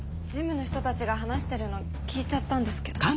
事務の人たちが話してるの聞いちゃったんですけど。